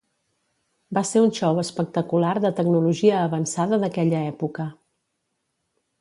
Va ser un xou espectacular de tecnologia avançada d'aquella època.